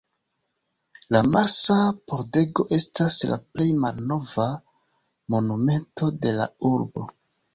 La Marsa Pordego estas la plej malnova monumento de la urbo.